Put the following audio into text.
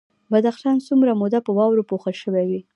بدخشان څومره موده په واورو پوښل شوی وي؟